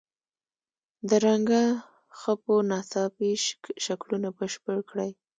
د رنګه خپو ناڅاپي شکلونه بشپړ کړئ.